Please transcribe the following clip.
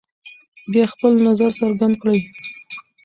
بیا خپل نظر څرګند کړئ.